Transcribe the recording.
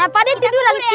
pak d tiduran tiduran pak d